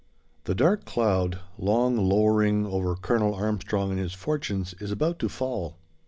The dark cloud, long lowering over Colonel Armstrong and his fortunes, is about to fall.